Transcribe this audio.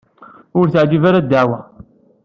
Ur iyi-teɛjib ara ddeɛwa-a.